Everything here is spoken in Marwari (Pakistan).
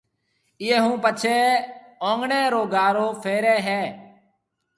ايئيَ ھون پڇيَ اوڱڻيَ رو گارو ڦيري ھيََََ